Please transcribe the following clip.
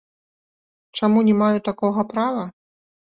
Чаму не маю такога права?